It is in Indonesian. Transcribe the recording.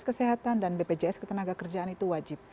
kesehatan dan bpjs ketenaga kerjaan itu wajib